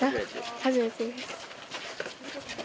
初めて？